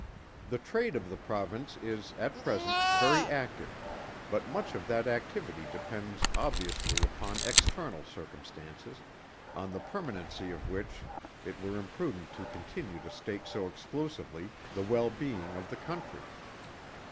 The trade of the Province is, at present, very active; but much of that activity depends obviously, upon external circumstances, on the permanency of which, it were imprudent to continue to stake so exclusively, the well being of the Country.